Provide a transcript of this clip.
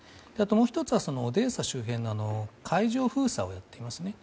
もう１つはオデーサ周辺の海上封鎖をやっていますね。